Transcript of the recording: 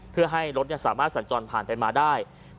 เพื่อให้รถสามารถสัญจรผ่านไปมาได้